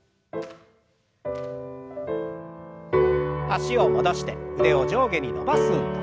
脚を戻して腕を上下に伸ばす運動。